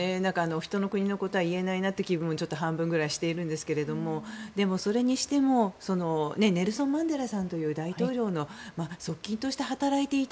人の国のことは言えないなっていう気分もちょっと半分ぐらいしているんですがでも、それにしてもネルソン・マンデラさんという大統領の側近として働いていた。